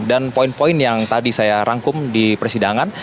dan poin poin yang tadi saya rangkum di persidangan